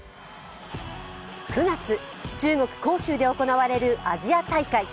９月、中国・杭州で行われるアジア大会。